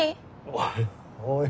おいおい